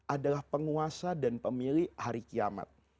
adalah penguasa dan pemilik hari kiamat